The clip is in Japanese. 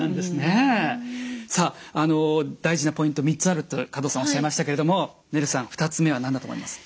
さあ大事なポイント３つあるってのは加藤さんおっしゃいましたけれどもねるさん２つ目は何だと思いますか？